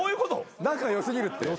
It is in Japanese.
仲良過ぎるって。